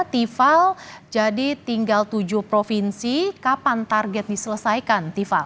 tiffal jadi tinggal tujuh provinsi kapan target diselesaikan tiffal